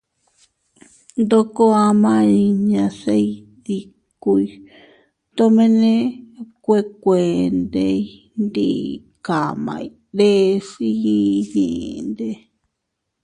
Ndoko ama inña se iydikuy tomene nbekuendey ndi kaʼmay deʼes iyyinne.